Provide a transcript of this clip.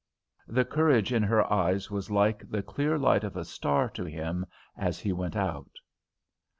"_ The courage in her eyes was like the clear light of a star to him as he went out.